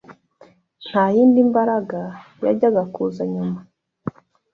nta yindi mbaraga yajyaga kuza nyuma